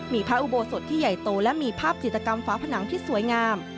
มีพระอุโบสถที่ใหญ่โตและมีภาพจิตกรรมฝาผนังที่สวยงาม